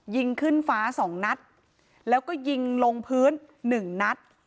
ยิงขึ้นฟ้าสองนัดแล้วก็ยิงลงพื้นหนึ่งนัด